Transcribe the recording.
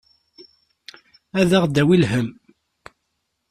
Ad aɣ-d-tawi lhemm.